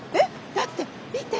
だって見て。